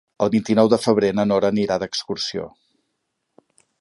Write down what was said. El vint-i-nou de febrer na Nora anirà d'excursió.